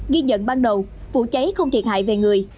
ghi nhận ban đầu vụ cháy không thiệt hại về người